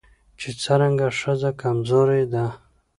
چې څرنګه ښځه کمزورې ده